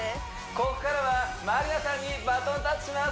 ここからはまりなさんにバトンタッチします